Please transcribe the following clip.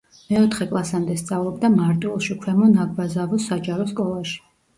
მეოთხე კლასამდე სწავლობდა მარტვილში, ქვემო ნაგვაზავოს საჯარო სკოლაში.